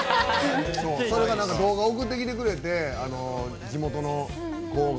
それが動画送ってきてくれて地元の子が。